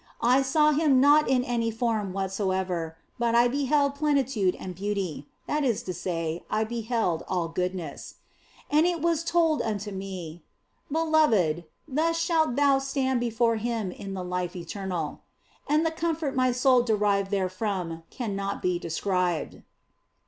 I saw Him not in any form whatsoever, but I beheld plenitude and beauty that is to say, I beheld all goodness. And it OF FOLIGNO 227 was told unto me, " Beloved, thus shalt thou stand before Him in the life eternal," and the comfort my soul derived therefrom cannot be described.